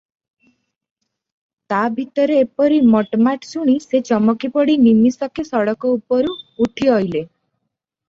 ତା ଭିତରେ ଏପରି ମଟ୍ ମାଟ୍ ଶୁଣି ସେ ଚମକିପଡ଼ି ନିମିଷକେ ସଡ଼କ ଉପରକୁ ଉଠି ଅଇଲେ ।